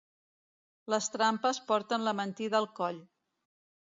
Les trampes porten la mentida al coll.